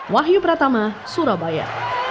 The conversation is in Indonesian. wahyu pratama surabaya